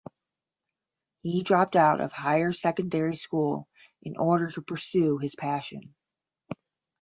He dropped out of higher secondary school in order to pursue his passion.